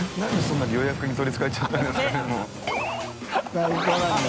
最高なんだ。